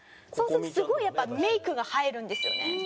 そうするとすごいやっぱりメイクが映えるんですよね。